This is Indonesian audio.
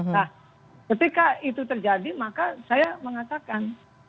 nah ketika itu terjadi maka saya mengatakan